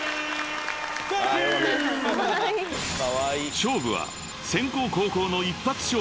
［勝負は先攻・後攻の一発勝負］